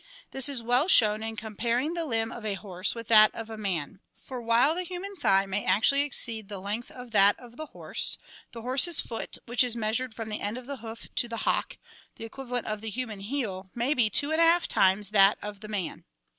This is well shown in comparing the limb of a horse with that of a man (PI. IV), for while the human thigh may actually exceed the length of that of the horse, the horse's foot, which is measured from the end of the hoof to the hock, the equivalent of the human heel, may be two and a half times that of the man.